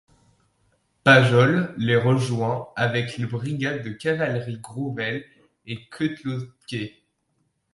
Pajol les rejoint avec les brigades de cavalerie Grouvel et Coëtlosquet.